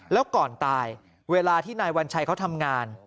แล้วก่อนตายเวลาที่นายวัญชัยเขาทำงาน